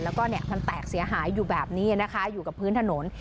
แล้วก็มันแตกเสียหายอยู่แบบนี้นะคะอยู่กับพื้นถนน